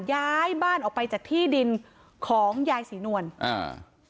ย้ายบ้านออกไปจากที่ดินของยายศรีนวลอ่า